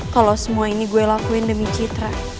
kalau semua ini gue lakuin demi citra